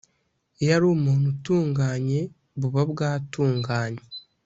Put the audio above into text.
iyo ari umuntu utunganye buba bwatunganye